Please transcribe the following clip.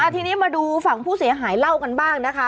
ทีนี้มาดูฝั่งผู้เสียหายเล่ากันบ้างนะคะ